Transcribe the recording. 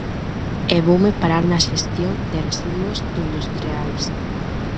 E voume parar na xestión de residuos industriais.